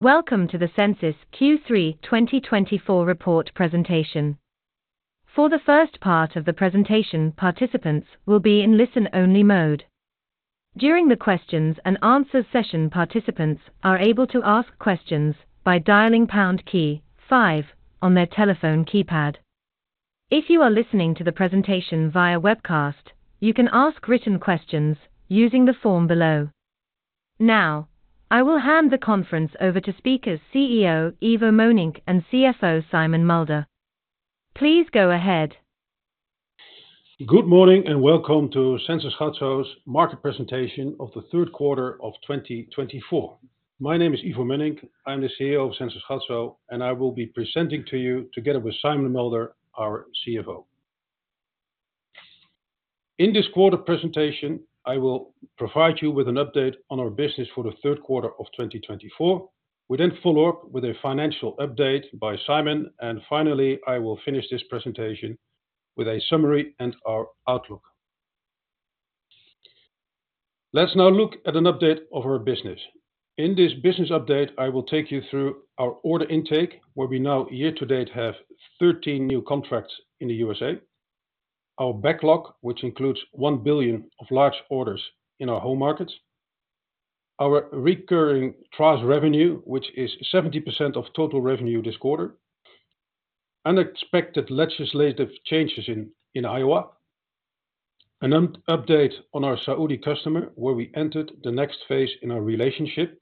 Welcome to the Sensys Q3 2024 report presentation. For the first part of the presentation, participants will be in listen-only mode. During the Q&A session, participants are able to ask questions by dialing pound key 5 on their telephone keypad. If you are listening to the presentation via webcast, you can ask written questions using the form below. Now, I will hand the conference over to Sensys CEO Ivo Mönnink and CFO Simon Mulder. Please go ahead. Good morning and welcome to Sensys Gatso's market presentation of the third quarter of 2024. My name is Ivo Mönnink. I'm the CEO of Sensys Gatso, and I will be presenting to you together with Simon Mulder, our CFO. In this quarter presentation, I will provide you with an update on our business for the third quarter of 2024. We then follow up with a financial update by Simon, and finally, I will finish this presentation with a summary and our outlook. Let's now look at an update of our business. In this business update, I will take you through our order intake, where we now, year to date, have 13 new contracts in the USA. Our backlog, which includes 1 billion of large orders in our home markets. Our recurring trust revenue, which is 70% of total revenue this quarter. Unexpected legislative changes in Iowa. An update on our Saudi customer, where we entered the next phase in our relationship,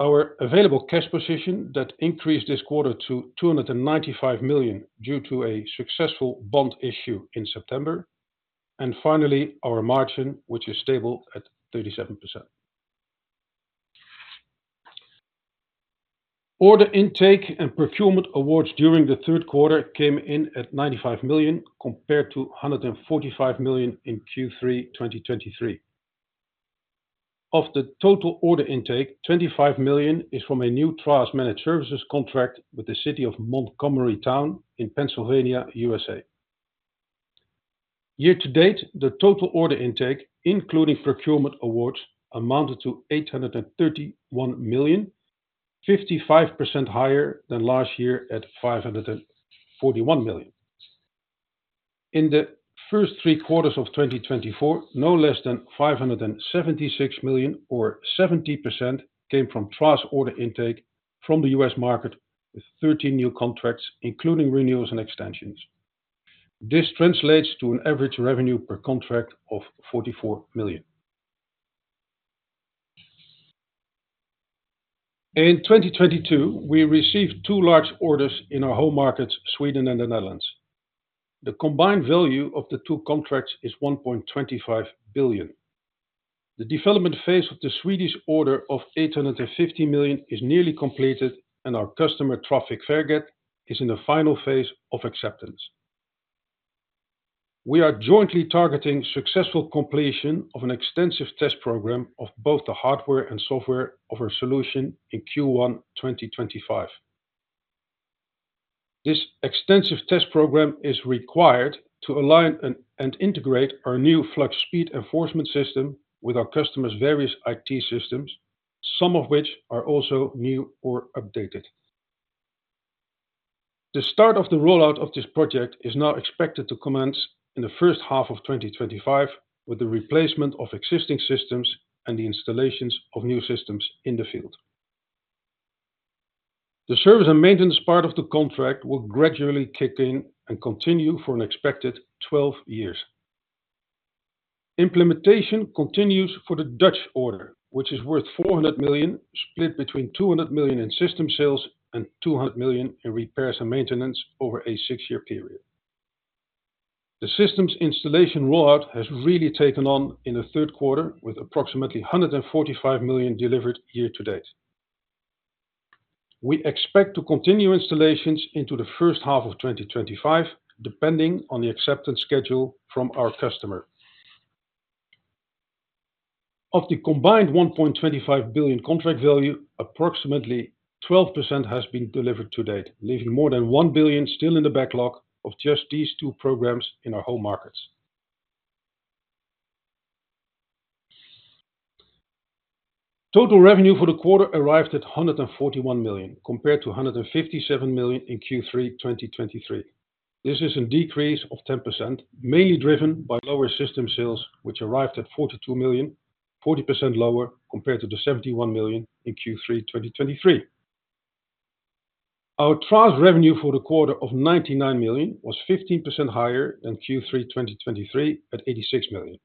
our available cash position that increased this quarter to 295 million due to a successful bond issue in September, and finally, our margin, which is stable at 37%. Order intake and procurement awards during the third quarter came in at 95 million, compared to 145 million in Q3 2023. Of the total order intake, 25 million is from a new Trust Managed Services contract with the city of Montgomery Township in Pennsylvania, U.S.A. Year to date, the total order intake, including procurement awards, amounted to 831 million, 55% higher than last year at 541 million. In the first three quarters of 2024, no less than 576 million, or 70%, came from Trust order intake from the U.S. market, with 13 new contracts, including renewals and extensions. This translates to an average revenue per contract of 44 million. In 2022, we received two large orders in our home markets, Sweden and the Netherlands. The combined value of the two contracts is 1.25 billion. The development phase of the Swedish order of 850 million is nearly completed, and our customer Trafikverket is in the final phase of acceptance. We are jointly targeting successful completion of an extensive test program of both the hardware and software of our solution in Q1 2025. This extensive test program is required to align and integrate our new FluxSpeed enforcement system with our customers' various IT systems, some of which are also new or updated. The start of the rollout of this project is now expected to commence in the first half of 2025, with the replacement of existing systems and the installations of new systems in the field. The service and maintenance part of the contract will gradually kick in and continue for an expected 12 years. Implementation continues for the Dutch order, which is worth 400 million, split between 200 million in system sales and 200 million in repairs and maintenance over a six-year period. The systems installation rollout has really taken on in the third quarter, with approximately 145 million delivered year to date. We expect to continue installations into the first half of 2025, depending on the acceptance schedule from our customer. Of the combined 1.25 billion contract value, approximately 12% has been delivered to date, leaving more than 1 billion still in the backlog of just these two programs in our home markets. Total revenue for the quarter arrived at 141 million, compared to 157 million in Q3 2023. This is a decrease of 10%, mainly driven by lower System Sales, which arrived at 42 million, 40% lower compared to the 71 million in Q3 2023. Our Trust Revenue for the quarter of 99 million was 15% higher than Q3 2023 at 86 million.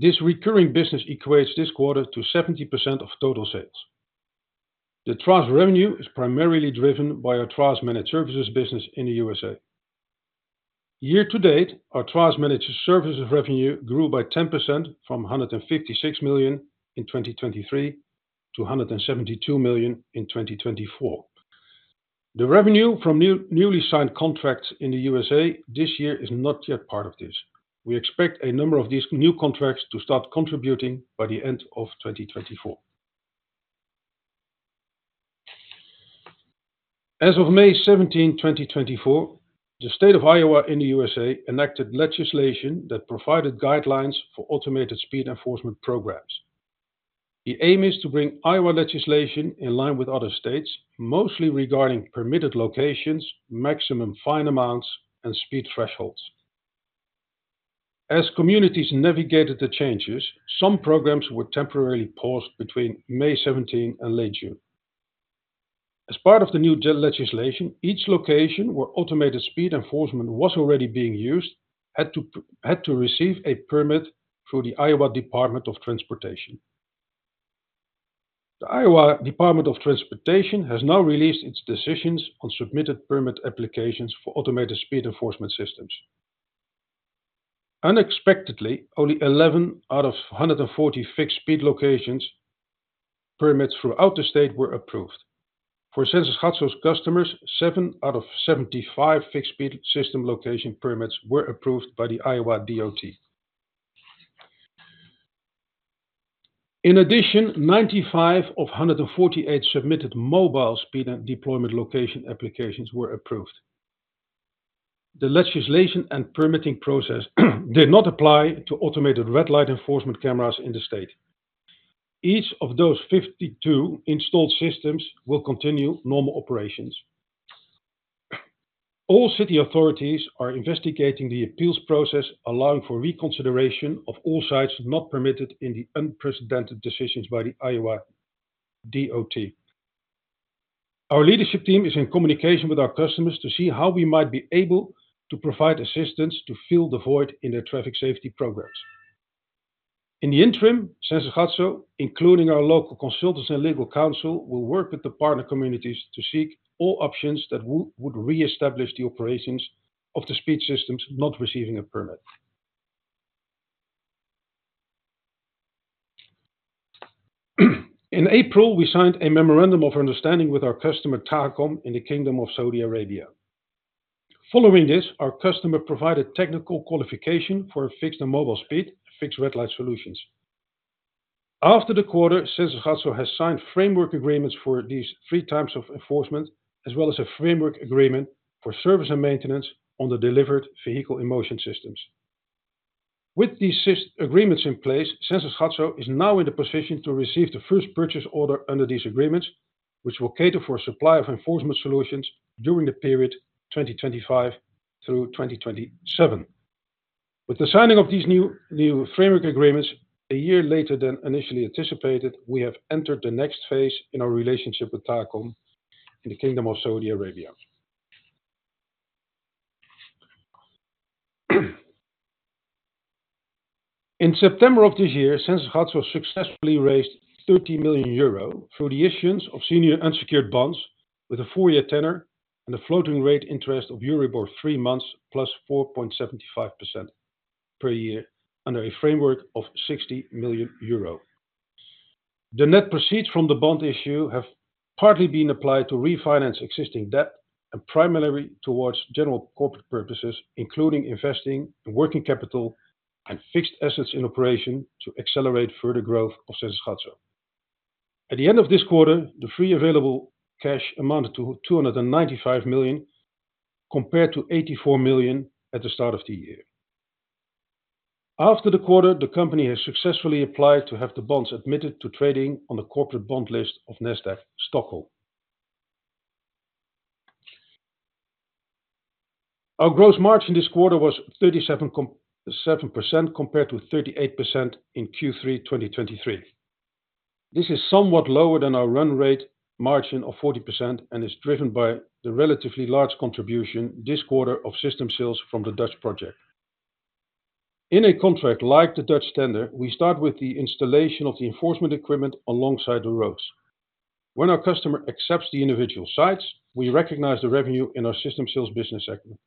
This recurring business equates this quarter to 70% of total sales. The Trust Revenue is primarily driven by our Trust Managed Services business in the USA. Year to date, our Trust Managed Services revenue grew by 10% from 156 million in 2023 to 172 million in 2024. The revenue from newly signed contracts in the USA this year is not yet part of this. We expect a number of these new contracts to start contributing by the end of 2024. As of May 17, 2024, the state of Iowa in the USA enacted legislation that provided guidelines for automated speed enforcement programs. The aim is to bring Iowa legislation in line with other states, mostly regarding permitted locations, maximum fine amounts, and speed thresholds. As communities navigated the changes, some programs were temporarily paused between May 17 and late June. As part of the new legislation, each location where automated speed enforcement was already being used had to receive a permit through the Iowa Department of Transportation. The Iowa Department of Transportation has now released its decisions on submitted permit applications for automated speed enforcement systems. Unexpectedly, only 11 out of 140 fixed speed locations permits throughout the state were approved. For Sensys Gatso's customers, seven out of 75 fixed speed system location permits were approved by the Iowa DOT. In addition, 95 of 148 submitted mobile speed and deployment location applications were approved. The legislation and permitting process did not apply to automated red light enforcement cameras in the state. Each of those 52 installed systems will continue normal operations. All city authorities are investigating the appeals process, allowing for reconsideration of all sites not permitted in the unprecedented decisions by the Iowa DOT. Our leadership team is in communication with our customers to see how we might be able to provide assistance to fill the void in their traffic safety programs. In the interim, Sensys Gatso, including our local consultants and legal counsel, will work with the partner communities to seek all options that would reestablish the operations of the speed systems not receiving a permit. In April, we signed a memorandum of understanding with our customer Tahakom in the Kingdom of Saudi Arabia. Following this, our customer provided technical qualification for fixed and mobile speed, fixed red light solutions. After the quarter, Sensys Gatso has signed framework agreements for these three types of enforcement, as well as a framework agreement for service and maintenance on the delivered Vehicle-in-Motion systems. With these agreements in place, Sensys Gatso is now in the position to receive the first purchase order under these agreements, which will cater for a supply of enforcement solutions during the period 2025 through 2027. With the signing of these new framework agreements, a year later than initially anticipated, we have entered the next phase in our relationship with Tahakom in the Kingdom of Saudi Arabia. In September of this year, Sensys Gatso successfully raised 30 million euro through the issuance of senior unsecured bonds with a four-year tenor and a floating rate interest of Euribor three months, plus 4.75% per year under a framework of 60 million euro. The net proceeds from the bond issue have partly been applied to refinance existing debt and primarily towards general corporate purposes, including investing in working capital and fixed assets in operation to accelerate further growth of Sensys Gatso. At the end of this quarter, the free available cash amounted to 295 million SEK, compared to 84 million SEK at the start of the year. After the quarter, the company has successfully applied to have the bonds admitted to trading on the corporate bond list of Nasdaq Stockholm. Our gross margin this quarter was 37% compared to 38% in Q3 2023. This is somewhat lower than our run rate margin of 40% and is driven by the relatively large contribution this quarter of system sales from the Dutch project. In a contract like the Dutch tender, we start with the installation of the enforcement equipment alongside the roads. When our customer accepts the individual sites, we recognize the revenue in our system sales business segment.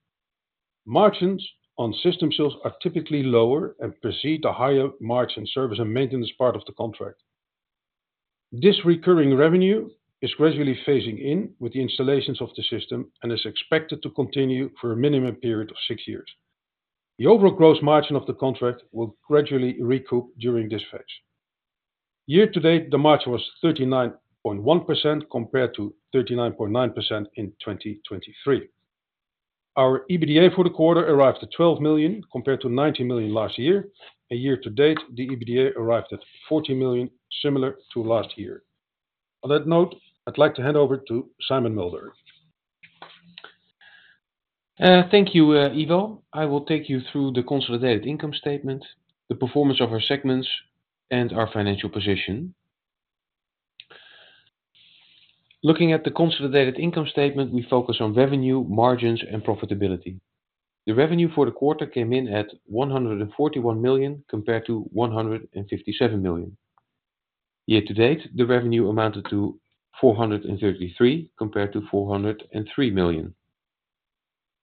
Margins on system sales are typically lower and precede the higher margin service and maintenance part of the contract. This recurring revenue is gradually phasing in with the installations of the system and is expected to continue for a minimum period of six years. The overall gross margin of the contract will gradually recoup during this phase. Year to date, the margin was 39.1% compared to 39.9% in 2023. Our EBITDA for the quarter arrived at 12 million compared to 19 million last year, and year to date, the EBITDA arrived at 40 million, similar to last year. On that note, I'd like to hand over to Simon Mulder. Thank you, Ivo. I will take you through the consolidated income statement, the performance of our segments, and our financial position. Looking at the consolidated income statement, we focus on revenue, margins, and profitability. The revenue for the quarter came in at 141 million compared to 157 million. Year to date, the revenue amounted to 433 million compared to 403 million.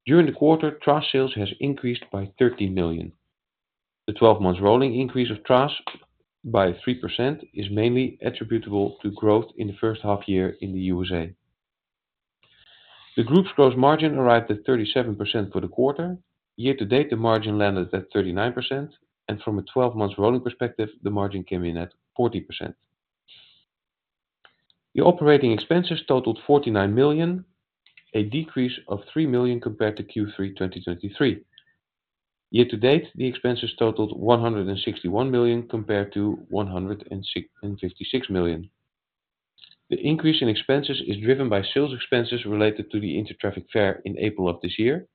During the quarter, Trust sales has increased by 13 million. The 12-month rolling increase of Trust by 3% is mainly attributable to growth in the first half year in the USA. The group's gross margin arrived at 37% for the quarter. Year to date, the margin landed at 39%. And from a 12-month rolling perspective, the margin came in at 40%. The operating expenses totaled 49 million, a decrease of 3 million compared to Q3 2023. Year to date, the expenses totaled 161 million compared to 156 million. The increase in expenses is driven by sales expenses related to the Intertraffic fair in April of this year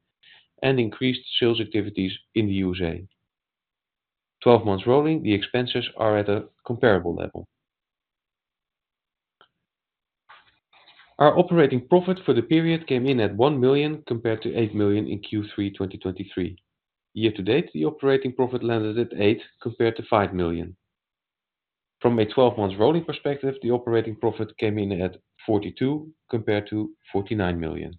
and increased sales activities in the USA. 12-month rolling, the expenses are at a comparable level. Our operating profit for the period came in at 1 million compared to 8 million in Q3 2023. Year to date, the operating profit landed at 8 million compared to 5 million. From a 12-month rolling perspective, the operating profit came in at 42 million compared to 49 million.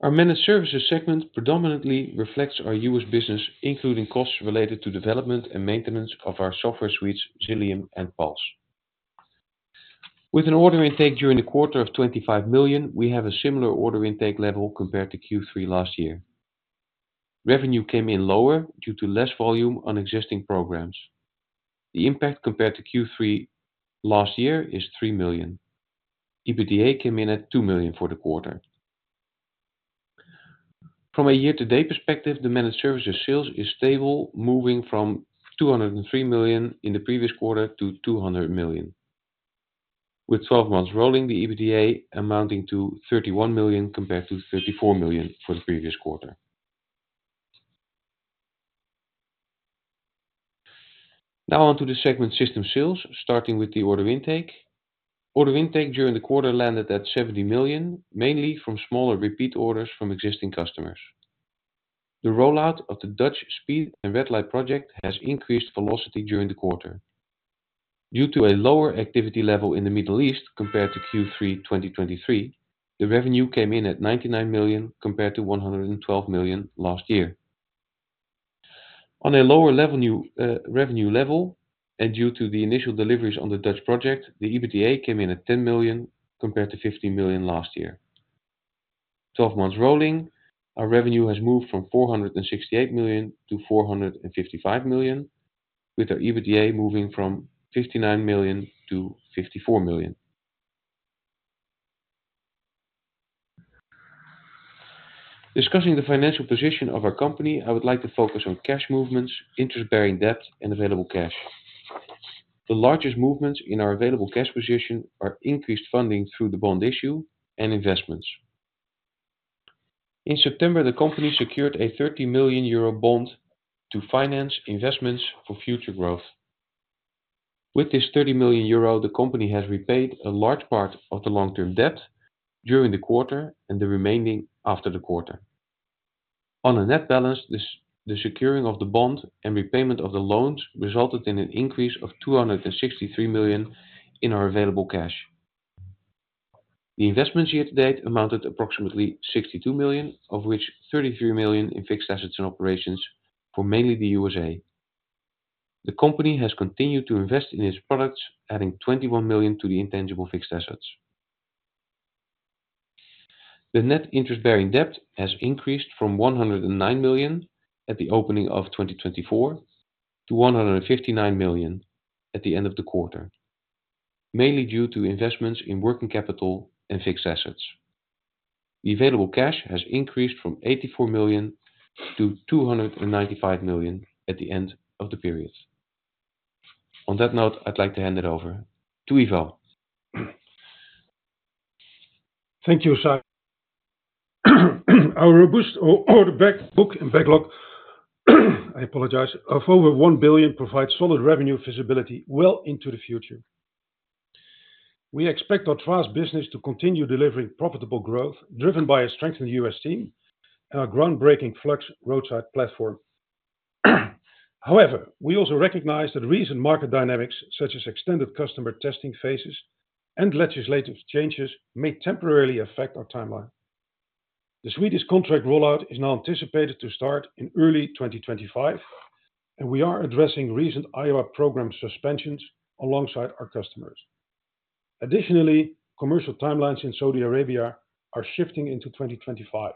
Our managed services segment predominantly reflects our US business, including costs related to development and maintenance of our software suites, Xilium and Pulse. With an order intake during the quarter of 25 million, we have a similar order intake level compared to Q3 last year. Revenue came in lower due to less volume on existing programs. The impact compared to Q3 last year is 3 million. EBITDA came in at 2 million for the quarter. From a year-to-date perspective, the Managed Services sales is stable, moving from 203 million in the previous quarter to 200 million. With 12-month rolling, the EBITDA amounting to 31 million compared to 34 million for the previous quarter. Now on to the System Sales segment, starting with the Order Intake. Order Intake during the quarter landed at 70 million, mainly from smaller repeat orders from existing customers. The rollout of the Dutch speed and red light project has increased velocity during the quarter. Due to a lower activity level in the Middle East compared to Q3 2023, the revenue came in at 99 million compared to 112 million last year. On a lower revenue level, and due to the initial deliveries on the Dutch project, the EBITDA came in at 10 million compared to 15 million last year. 12-month rolling, our revenue has moved from 468 million-455 million, with our EBITDA moving from 59 million-54 million. Discussing the financial position of our company, I would like to focus on cash movements, interest-bearing debt, and available cash. The largest movements in our available cash position are increased funding through the bond issue and investments. In September, the company secured a 30 million euro bond to finance investments for future growth. With this 30 million euro, the company has repaid a large part of the long-term debt during the quarter and the remaining after the quarter. On a net balance, the securing of the bond and repayment of the loans resulted in an increase of 263 million in our available cash. The investments year-to-date amounted approximately 62 million, of which 33 million in fixed assets and operations for mainly the USA. The company has continued to invest in its products, adding 21 million to the intangible fixed assets. The net interest-bearing debt has increased from 109 million at the opening of 2024 to 159 million at the end of the quarter, mainly due to investments in working capital and fixed assets. The available cash has increased from 84 million to 295 million at the end of the period. On that note, I'd like to hand it over to Ivo. Thank you, Sai. Our robust order book and backlog, I apologize, of over 1 billion provides solid revenue visibility well into the future. We expect our trust business to continue delivering profitable growth driven by a strengthened U.S. team and our groundbreaking Flux roadside platform. However, we also recognize that recent market dynamics, such as extended customer testing phases and legislative changes, may temporarily affect our timeline. The Swedish contract rollout is now anticipated to start in early 2025, and we are addressing recent Iowa program suspensions alongside our customers. Additionally, commercial timelines in Saudi Arabia are shifting into 2025.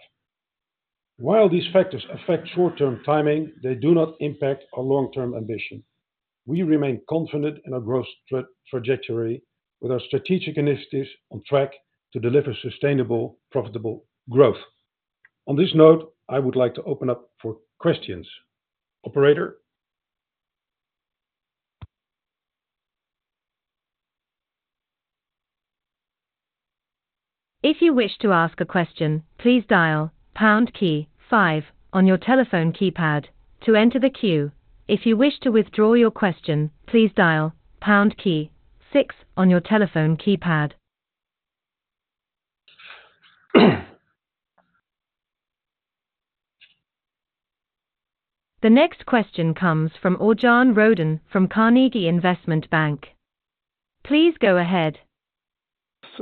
While these factors affect short-term timing, they do not impact our long-term ambition. We remain confident in our growth trajectory with our strategic initiatives on track to deliver sustainable, profitable growth. On this note, I would like to open up for questions. Operator. If you wish to ask a question, please dial pound key five on your telephone keypad to enter the queue. If you wish to withdraw your question, please dial pound key six on your telephone keypad. The next question comes from Örjan Rödén from Carnegie Investment Bank. Please go ahead.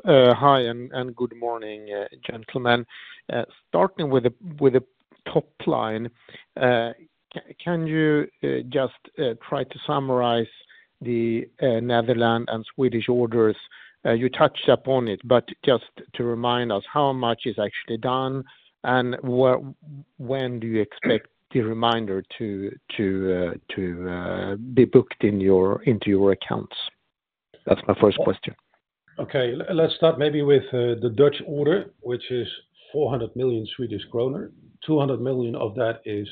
Hi, and good morning, gentlemen. Starting with the top line, can you just try to summarize the Netherlands and Swedish orders? You touched upon it, but just to remind us, how much is actually done, and when do you expect the remainder to be booked into your accounts? That's my first question. Okay. Let's start maybe with the Dutch order, which is 400 million Swedish kronor. 200 million of that is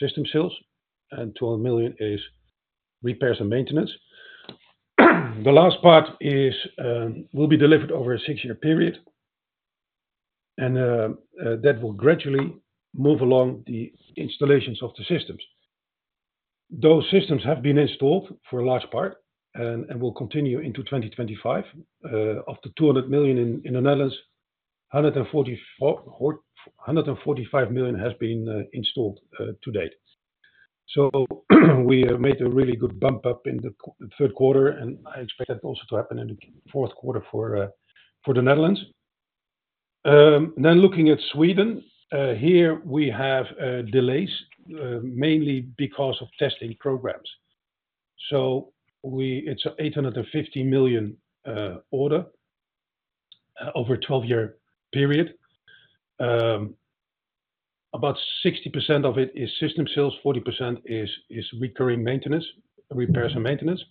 system sales, and 200 million is repairs and maintenance. The last part will be delivered over a six-year period, and that will gradually move along the installations of the systems. Those systems have been installed for a large part and will continue into 2025. Of the 200 million in the Netherlands, 145 million has been installed to date. So we made a really good bump up in the third quarter, and I expect that also to happen in the fourth quarter for the Netherlands. Then looking at Sweden, here we have delays mainly because of testing programs. So it's an 850 million order over a 12-year period. About 60% of it is system sales, 40% is recurring maintenance, repairs and maintenance.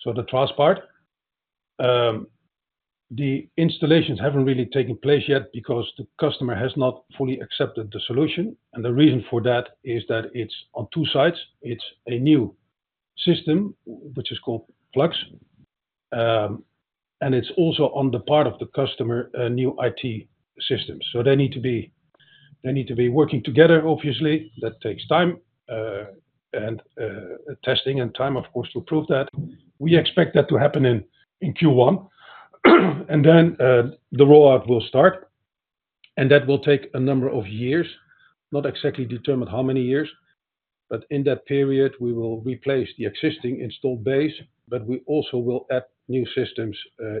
So the trust part. The installations haven't really taken place yet because the customer has not fully accepted the solution. And the reason for that is that it's on two sides. It's a new system, which is called Flux, and it's also on the part of the customer, a new IT system. So they need to be working together, obviously. That takes time and testing and time, of course, to prove that. We expect that to happen in Q1, and then the rollout will start, and that will take a number of years, not exactly determined how many years. But in that period, we will replace the existing installed base, but we also will add new systems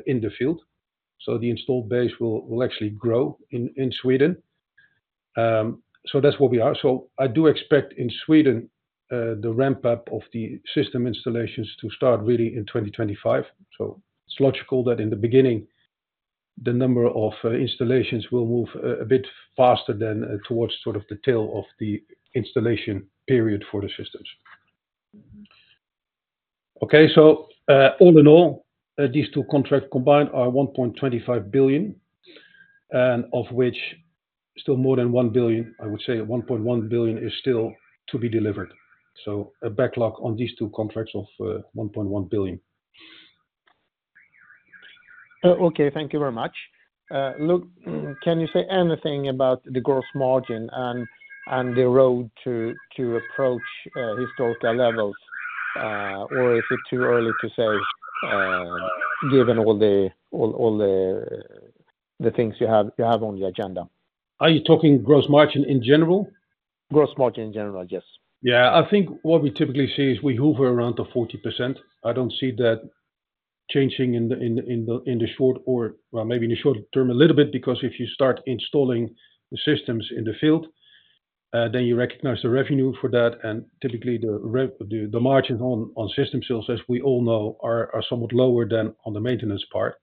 in the field. So the installed base will actually grow in Sweden. So that's where we are. So I do expect in Sweden the ramp-up of the system installations to start really in 2025. So it's logical that in the beginning, the number of installations will move a bit faster than towards sort of the tail of the installation period for the systems. Okay. So all in all, these two contracts combined are 1.25 billion, and of which still more than 1 billion, I would say 1.1 billion is still to be delivered. So a backlog on these two contracts of 1.1 billion. Okay. Thank you very much. Look, can you say anything about the gross margin and the road to approach historical levels, or is it too early to say given all the things you have on the agenda? Are you talking gross margin in general? Gross margin in general, yes. Yeah. I think what we typically see is we hover around the 40%. I don't see that changing in the short or maybe in the short term a little bit because if you start installing the systems in the field, then you recognize the revenue for that. And typically, the margins on system sales, as we all know, are somewhat lower than on the maintenance part.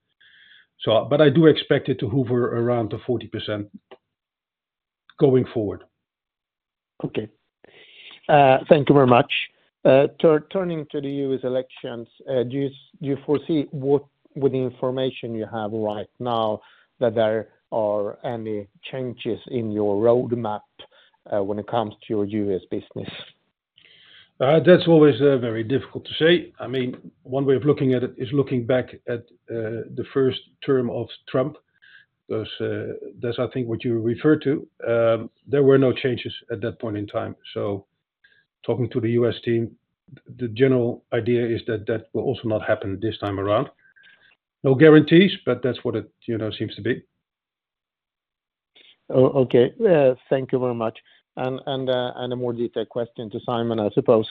But I do expect it to hover around the 40% going forward. Okay. Thank you very much. Turning to the U.S. elections, do you foresee with the information you have right now that there are any changes in your roadmap when it comes to your U.S. business? That's always very difficult to say. I mean, one way of looking at it is looking back at the first term of Trump because that's, I think, what you refer to. There were no changes at that point in time. So talking to the US team, the general idea is that that will also not happen this time around. No guarantees, but that's what it seems to be. Okay. Thank you very much. And a more detailed question to Simon, I suppose.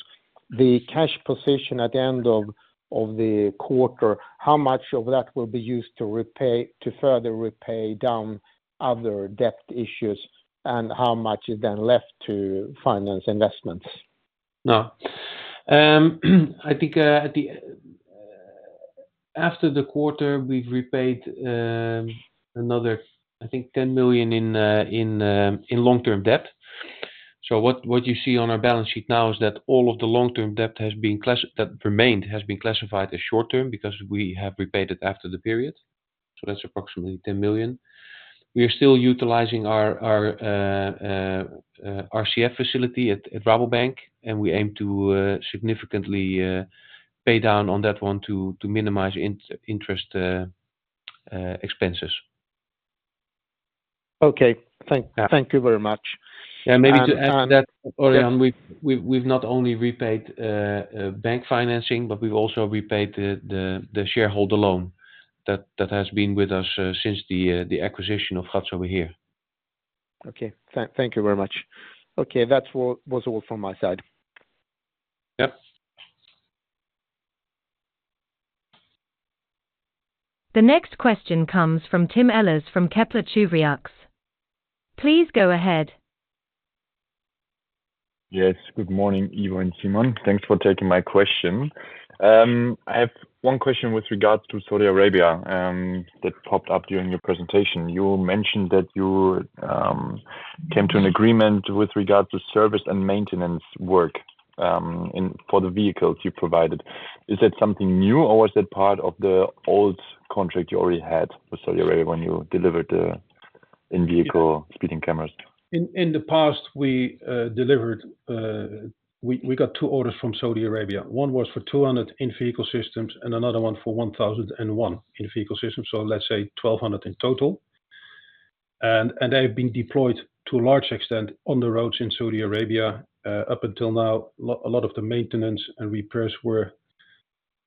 The cash position at the end of the quarter, how much of that will be used to further repay down other debt issues, and how much is then left to finance investments? No. I think after the quarter, we've repaid another, I think, 10 million in long-term debt. So what you see on our balance sheet now is that all of the long-term debt that remained has been classified as short-term because we have repaid it after the period. So that's approximately 10 million. We are still utilizing our RCF facility at Rabobank, and we aim to significantly pay down on that one to minimize interest expenses. Okay. Thank you very much. Maybe to add to that, Örjan, we've not only repaid bank financing, but we've also repaid the shareholder loan that has been with us since the acquisition of Gatso over here. Okay. Thank you very much. Okay. That was all from my side. Yep. The next question comes from Tim Ellis from Kepler Cheuvreux. Please go ahead. Yes. Good morning, Ivo and Simon. Thanks for taking my question. I have one question with regard to Saudi Arabia that popped up during your presentation. You mentioned that you came to an agreement with regard to service and maintenance work for the vehicles you provided. Is that something new, or was that part of the old contract you already had with Saudi Arabia when you delivered the in-vehicle speeding cameras? In the past, we got two orders from Saudi Arabia. One was for 200 in-vehicle systems and another one for 1,001 in-vehicle systems. So let's say 1,200 in total. And they have been deployed to a large extent on the roads in Saudi Arabia. Up until now, a lot of the maintenance and repairs were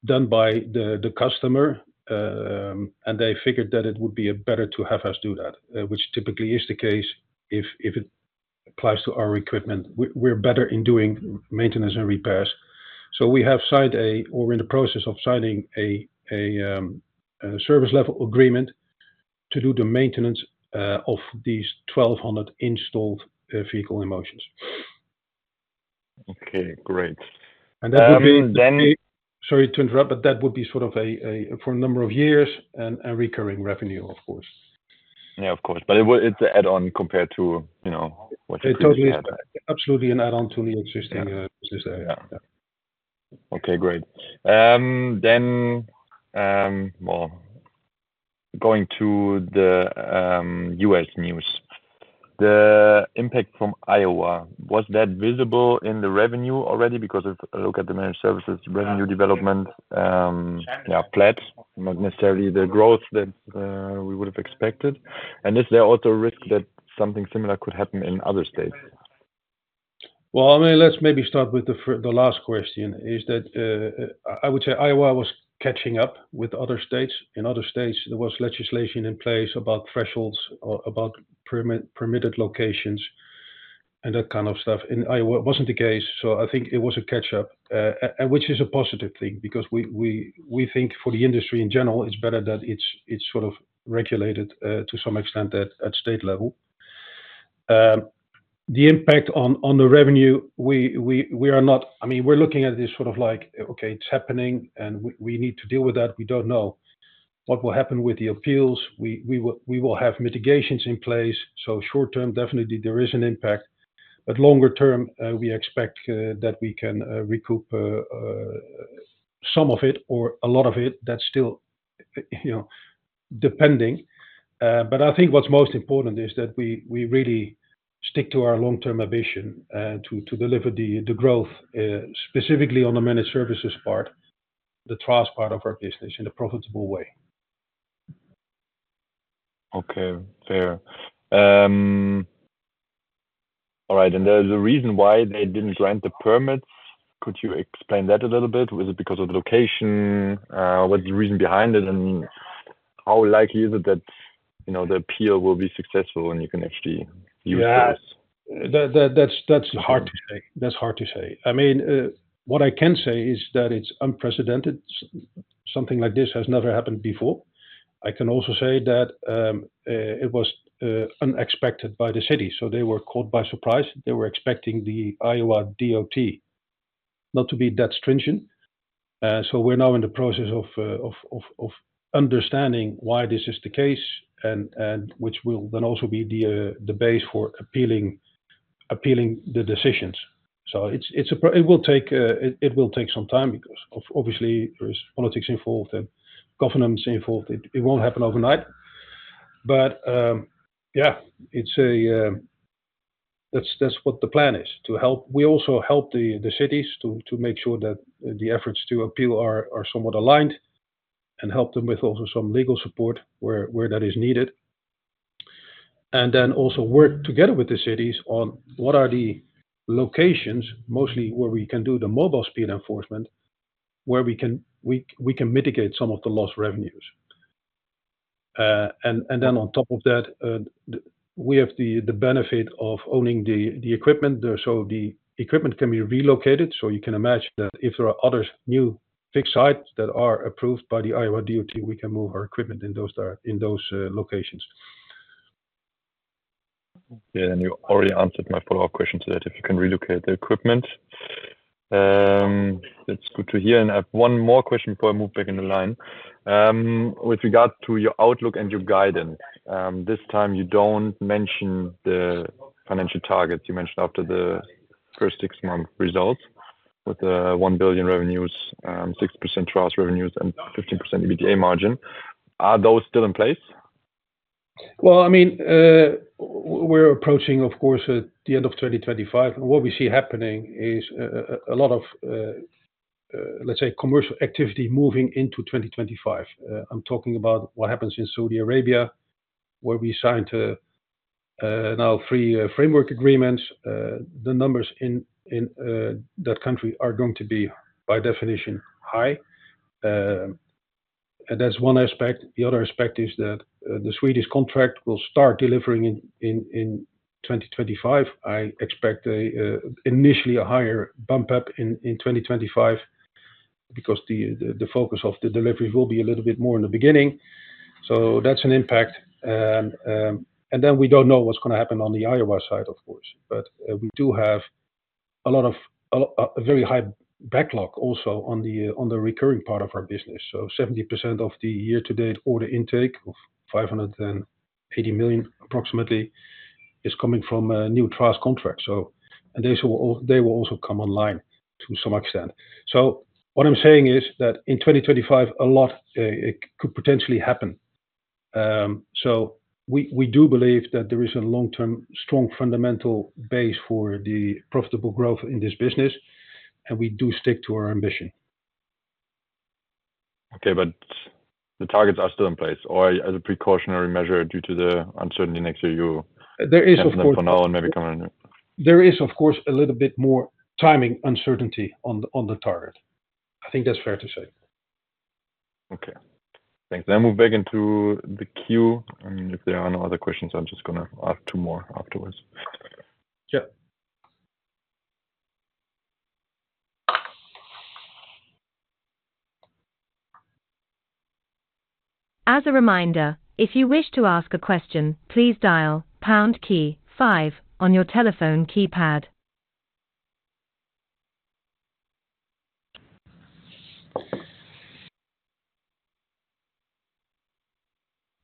done by the customer, and they figured that it would be better to have us do that, which typically is the case if it applies to our equipment. We're better in doing maintenance and repairs. So we have signed a, or we're in the process of signing a service-level agreement to do the maintenance of these 1,200 installed vehicle-in-motion. Okay. Great. And that would be. And then. Sorry to interrupt, but that would be sort of for a number of years and recurring revenue, of course. Yeah, of course, but it's an add-on compared to what you previously had. Absolutely. Absolutely an add-on to the existing business there. Yeah. Okay. Great. Then going to the U.S. news. The impact from Iowa, was that visible in the revenue already? Because if I look at the managed services revenue development, yeah, flat, not necessarily the growth that we would have expected. And is there also a risk that something similar could happen in other states? I mean, let's maybe start with the last question. Is that? I would say Iowa was catching up with other states. In other states, there was legislation in place about thresholds, about permitted locations, and that kind of stuff. In Iowa, it wasn't the case. So I think it was a catch-up, which is a positive thing because we think for the industry in general, it's better that it's sort of regulated to some extent at state level. The impact on the revenue, we are not. I mean, we're looking at it sort of like, "Okay, it's happening, and we need to deal with that." We don't know what will happen with the appeals. We will have mitigations in place. So short-term, definitely, there is an impact. But longer term, we expect that we can recoup some of it or a lot of it. That's still depending. But I think what's most important is that we really stick to our long-term ambition to deliver the growth, specifically on the managed services part, the trust part of our business in a profitable way. Okay. Fair. All right. And the reason why they didn't grant the permits, could you explain that a little bit? Was it because of the location? What's the reason behind it? And how likely is it that the appeal will be successful and you can actually use this? Yeah. That's hard to say. That's hard to say. I mean, what I can say is that it's unprecedented. Something like this has never happened before. I can also say that it was unexpected by the city. So they were caught by surprise. They were expecting the Iowa DOT not to be that stringent. So we're now in the process of understanding why this is the case, which will then also be the base for appealing the decisions. So it will take some time because, obviously, there is politics involved and governments involved. It won't happen overnight. But yeah, that's what the plan is, to help. We also help the cities to make sure that the efforts to appeal are somewhat aligned and help them with also some legal support where that is needed, and then also work together with the cities on what are the locations, mostly where we can do the mobile speed enforcement, where we can mitigate some of the lost revenues. And then on top of that, we have the benefit of owning the equipment. So the equipment can be relocated. So you can imagine that if there are other new fixed sites that are approved by the Iowa DOT, we can move our equipment in those locations. Okay. And you already answered my follow-up question to that, if you can relocate the equipment. That's good to hear. And I have one more question before I move back in the line. With regard to your outlook and your guidance, this time you don't mention the financial targets. You mentioned after the first six-month results with 1 billion revenues, 6% Trust revenues, and 15% EBITDA margin. Are those still in place? Well, I mean, we're approaching, of course, the end of 2025. What we see happening is a lot of, let's say, commercial activity moving into 2025. I'm talking about what happens in Saudi Arabia, where we signed now three framework agreements. The numbers in that country are going to be, by definition, high. And that's one aspect. The other aspect is that the Swedish contract will start delivering in 2025. I expect initially a higher bump-up in 2025 because the focus of the deliveries will be a little bit more in the beginning. So that's an impact. And then we don't know what's going to happen on the Iowa side, of course. But we do have a lot of a very high backlog also on the recurring part of our business. So 70% of the year-to-date order intake of 580 million, approximately, is coming from new trust contracts. They will also come online to some extent. What I'm saying is that in 2025, a lot could potentially happen. We do believe that there is a long-term strong fundamental base for the profitable growth in this business, and we do stick to our ambition. Okay. But the targets are still in place, or as a precautionary measure due to the uncertainty next year, you'll commit for now and maybe coming in? There is, of course, a little bit more timing uncertainty on the target. I think that's fair to say. Okay. Thanks. Then move back into the queue. And if there are no other questions, I'm just going to ask two more afterwards. Yeah. As a reminder, if you wish to ask a question, please dial pound key five on your telephone keypad.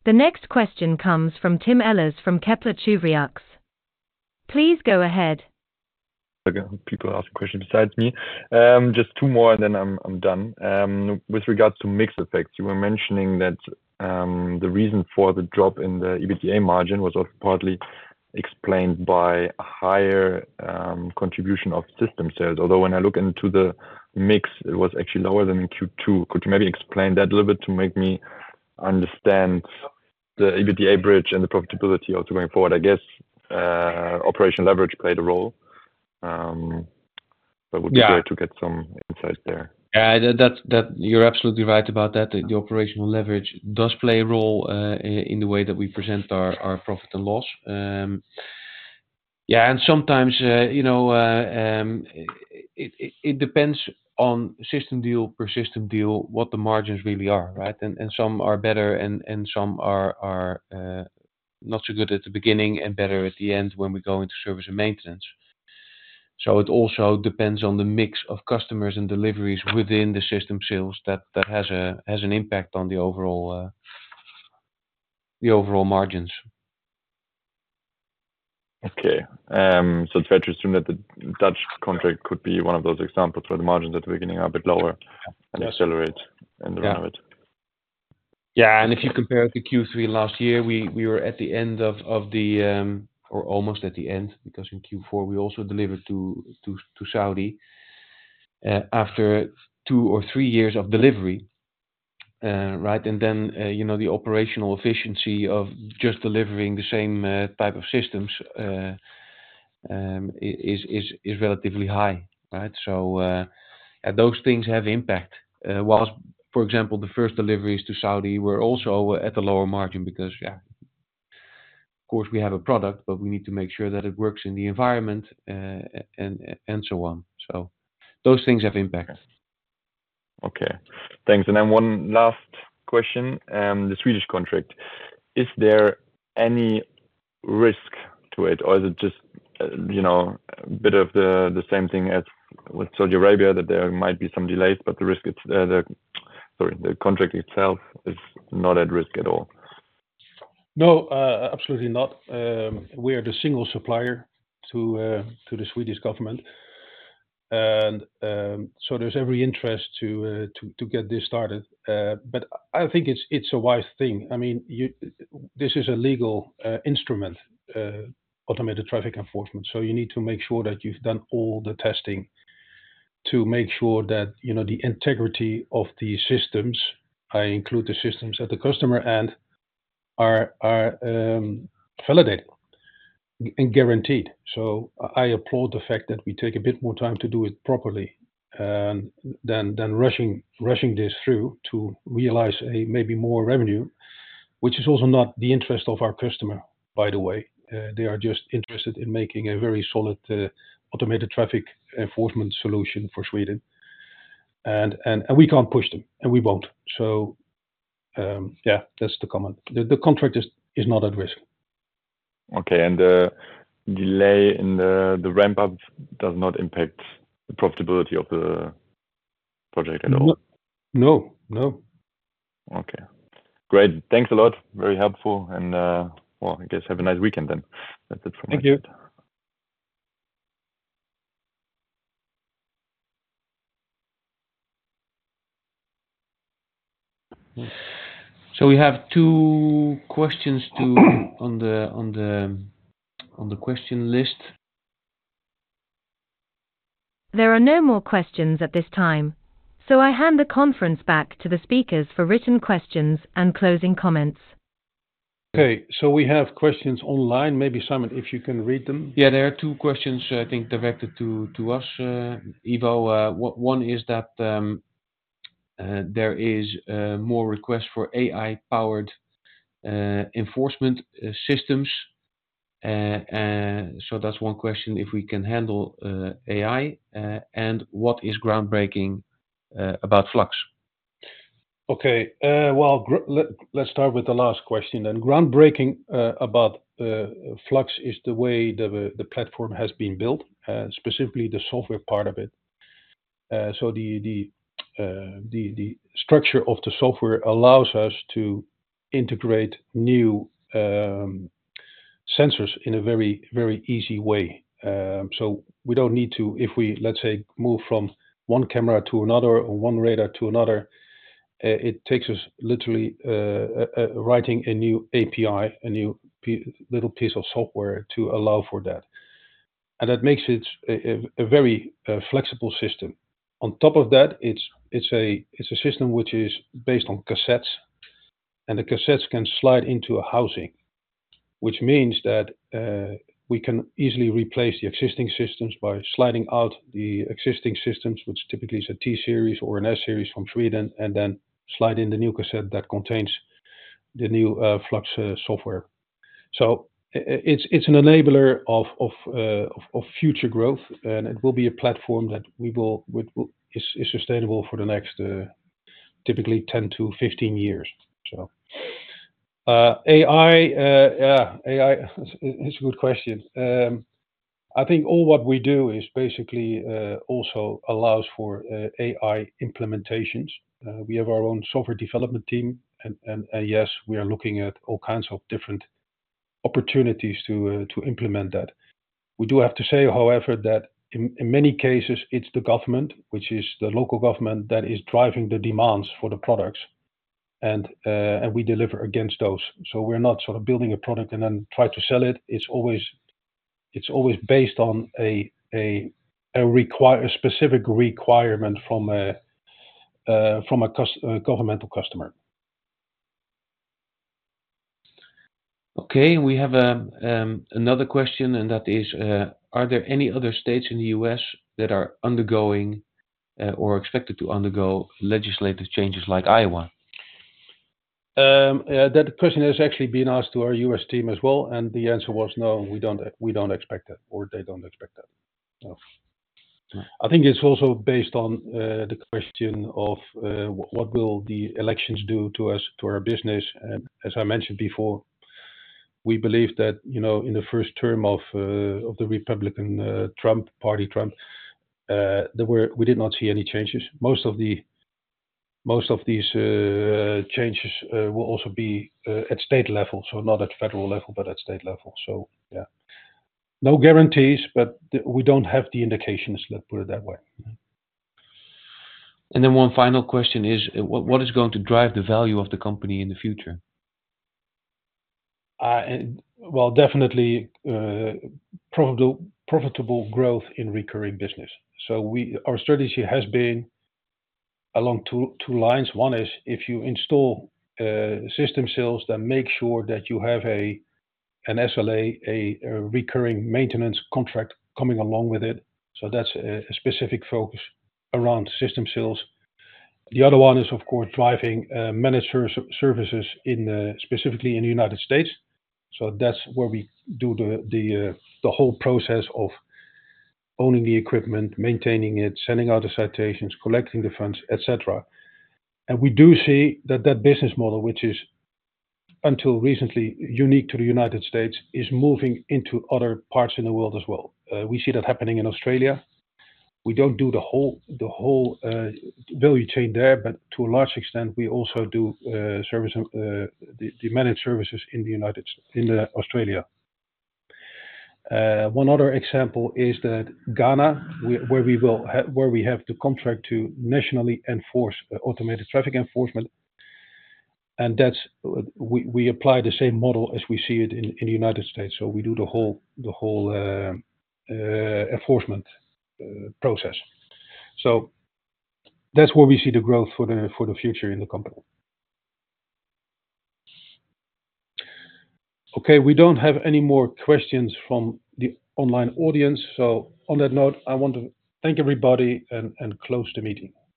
The next question comes from Tim Ellis from Kepler Cheuvreux. Please go ahead. Again, people are asking questions besides me. Just two more, and then I'm done. With regard to mix effects, you were mentioning that the reason for the drop in the EBITDA margin was partly explained by a higher contribution of system sales. Although when I look into the mix, it was actually lower than in Q2. Could you maybe explain that a little bit to make me understand the EBITDA bridge and the profitability also going forward? I guess operational leverage played a role. But it would be great to get some insight there. Yeah. You're absolutely right about that. The operational leverage does play a role in the way that we present our profit and loss. Yeah. And sometimes it depends on system deal per system deal what the margins really are, right? And some are better, and some are not so good at the beginning and better at the end when we go into service and maintenance. So it also depends on the mix of customers and deliveries within the system sales that has an impact on the overall margins. Okay. So it's fair to assume that the Dutch contract could be one of those examples where the margins at the beginning are a bit lower and accelerate in the run of it. Yeah. And if you compare it to Q3 last year, we were at the end of the or almost at the end because in Q4, we also delivered to Saudi after two or three years of delivery, right? And then the operational efficiency of just delivering the same type of systems is relatively high, right? So those things have impact. Whilst, for example, the first deliveries to Saudi were also at a lower margin because, yeah, of course, we have a product, but we need to make sure that it works in the environment and so on. So those things have impact. Okay. Thanks. And then one last question. The Swedish contract. Is there any risk to it, or is it just a bit of the same thing as with Saudi Arabia, that there might be some delays, but the risk, sorry, the contract itself is not at risk at all? No, absolutely not. We are the single supplier to the Swedish government, and so there's every interest to get this started, but I think it's a wise thing. I mean, this is a legal instrument, automated traffic enforcement. You need to make sure that you've done all the testing to make sure that the integrity of the systems, including the systems at the customer end, are validated and guaranteed. I applaud the fact that we take a bit more time to do it properly than rushing this through to realize maybe more revenue, which is also not the interest of our customer, by the way. They are just interested in making a very solid automated traffic enforcement solution for Sweden, and we can't push them, and we won't. Yeah, that's the comment. The contract is not at risk. Okay. And the delay in the ramp-up does not impact the profitability of the project at all? No. No. No. Okay. Great. Thanks a lot. Very helpful and well, I guess have a nice weekend then. That's it from me. Thank you. So we have two questions on the question list. There are no more questions at this time. So I hand the conference back to the speakers for written questions and closing comments. Okay. So we have questions online. Maybe Simon, if you can read them. Yeah. There are two questions, I think, directed to us. Ivo, one is that there is more request for AI-powered enforcement systems. So that's one question, if we can handle AI, and what is groundbreaking about Flux? Okay. Let's start with the last question then. Groundbreaking about Flux is the way the platform has been built, specifically the software part of it. So the structure of the software allows us to integrate new sensors in a very easy way. So we don't need to, if we, let's say, move from one camera to another or one radar to another, it takes us literally writing a new API, a new little piece of software to allow for that. And that makes it a very flexible system. On top of that, it's a system which is based on cassettes, and the cassettes can slide into a housing, which means that we can easily replace the existing systems by sliding out the existing systems, which typically is a T-series or an S-series from Sweden, and then slide in the new cassette that contains the new Flux software. So it's an enabler of future growth, and it will be a platform that is sustainable for the next typically 10-15 years. So AI, yeah, AI is a good question. I think all what we do is basically also allows for AI implementations. We have our own software development team, and yes, we are looking at all kinds of different opportunities to implement that. We do have to say, however, that in many cases, it's the government, which is the local government, that is driving the demands for the products, and we deliver against those. So we're not sort of building a product and then trying to sell it. It's always based on a specific requirement from a governmental customer. Okay. We have another question, and that is, are there any other states in the U.S. that are undergoing or expected to undergo legislative changes like Iowa? That question has actually been asked to our U.S. team as well, and the answer was no, we don't expect that, or they don't expect that. I think it's also based on the question of what will the elections do to our business, and as I mentioned before, we believe that in the first term of the Republican Trump party, Trump, we did not see any changes. Most of these changes will also be at state level, so not at federal level, but at state level, so yeah, no guarantees, but we don't have the indications, let's put it that way. And then one final question is, what is going to drive the value of the company in the future? Definitely profitable growth in recurring business. So our strategy has been along two lines. One is if you install system sales, then make sure that you have an SLA, a recurring maintenance contract coming along with it. So that's a specific focus around system sales. The other one is, of course, driving managed services, specifically in the United States. So that's where we do the whole process of owning the equipment, maintaining it, sending out the citations, collecting the funds, etc. And we do see that that business model, which is until recently unique to the United States, is moving into other parts in the world as well. We see that happening in Australia. We don't do the whole value chain there, but to a large extent, we also do the managed services in Australia. One other example is that Ghana, where we have the contract to nationally enforce automated traffic enforcement. And we apply the same model as we see it in the United States. So we do the whole enforcement process. So that's where we see the growth for the future in the company. Okay. We don't have any more questions from the online audience. So on that note, I want to thank everybody and close the meeting.